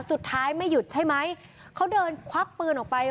ไม่หยุดใช่ไหมเขาเดินควักปืนออกไป